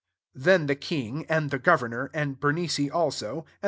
30 Then the king, and thi governor, and Bemic4 also, and!